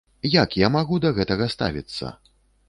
Як я магу да гэтага ставіцца?